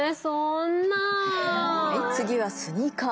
はい次はスニーカー。